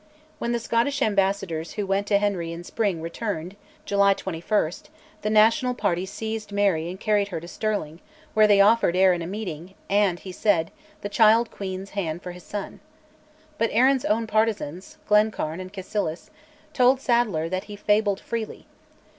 When the Scottish ambassadors who went to Henry in spring returned (July 21), the national party seized Mary and carried her to Stirling, where they offered Arran a meeting, and (he said) the child queen's hand for his son. But Arran's own partisans, Glencairn and Cassilis, told Sadleyr that he fabled freely.